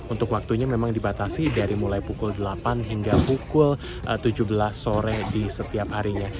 untuk waktunya memang dibatasi dari mulai pukul delapan hingga pukul tujuh belas sore di setiap harinya